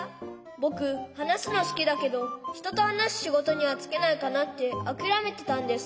ぼくはなすのすきだけどひととはなすしごとにはつけないかなってあきらめてたんです。